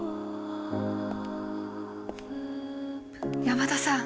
山田さん。